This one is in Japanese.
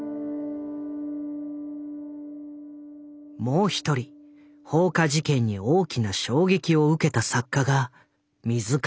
もう一人放火事件に大きな衝撃を受けた作家が水上勉だ。